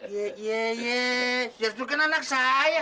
ya ya ya jers itu kan anak saya